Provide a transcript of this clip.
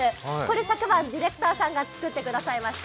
昨晩、ディレクターさんが作ってくださいました。